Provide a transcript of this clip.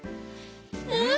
うん！